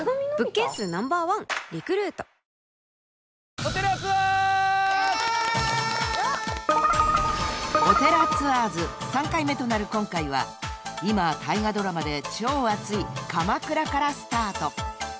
［『おてらツアーズ』３回目となる今回は今大河ドラマで超熱い鎌倉からスタート］